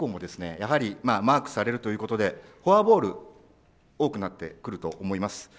やはりマークされるということで、フォアボールが多くなってくると思います。